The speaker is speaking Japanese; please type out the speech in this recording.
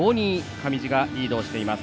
上地がリードしています。